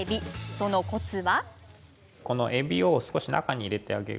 そのコツは？